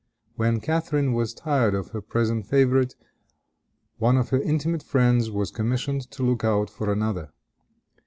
When Catharine was tired of her present favorite, one of her intimate friends was commissioned to look out for another.